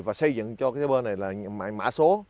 và xây dựng cho cái cây bơ này là mã số